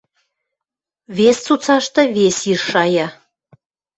Вес цуцашты вес йиш шая.